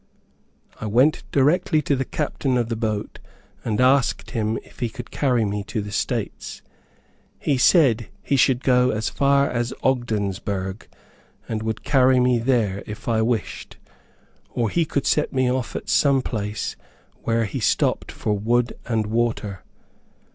I went directly to the captain of the boat and asked him if he could carry me to the States. He said he should go as far as Ogdensburg, and would carry me there, if I wished; or he could set me off at some place where he stopped for wood and water.